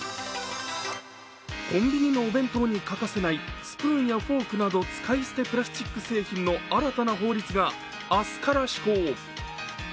コンビニのお弁当に欠かせないスプーンやフォークなど、使い捨てプラスチック製品の新たな法律が明日から施行。